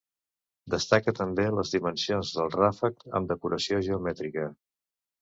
Destaca també les dimensions del ràfec, amb decoració geomètrica.